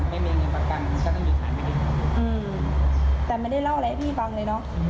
ไม่ได้เล่าไม่ได้เล่า